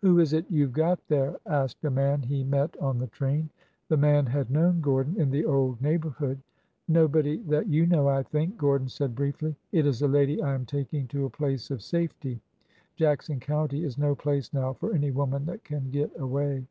Who is it you Ve got there ?'' asked a man he met on the train. The man had known Gordon in the old neigh borhood. Nobody that you know, I think,'' Gordon said briefly. '' It is a lady I am taking to a place of safety. Jackson County is no place now for any woman that can get away."